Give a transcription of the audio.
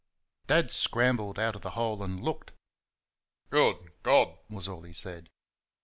Dad scrambled out of the hole and looked. "Good God!" was all he said.